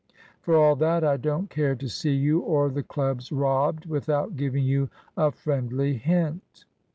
"For all that, I don't care to see you or the clubs robbed without giving you a friendly hint."